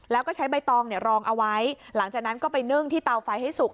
แล้วก็ใช้ใบตองเนี่ยรองเอาไว้หลังจากนั้นก็ไปนึ่งที่เตาไฟให้สุก